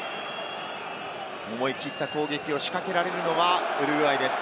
思い切った攻撃を仕掛けられるのはウルグアイです。